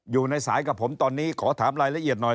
อยู่ในสายกับผมตอนนี้ขอถามรายละเอียดหน่อย